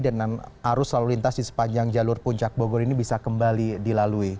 dan arus lalu lintas di sepanjang jalur puncak bogor ini bisa kembali dilalui